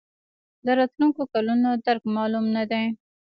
د راتلونکو کلونو درک معلوم نه دی.